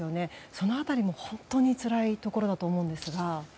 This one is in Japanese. その辺りも本当につらいところだと思うんですが。